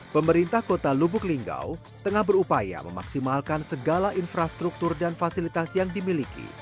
pemerintah kota lubuk linggau tengah berupaya memaksimalkan segala infrastruktur dan fasilitas yang dimiliki